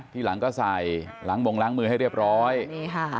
ทีหลังก็ใส่ล้างมงล้างมือให้เรียบร้อยนี่ค่ะ